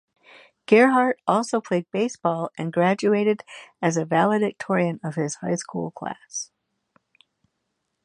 Gerhart also played baseball and graduated as a valedictorian of his high school class.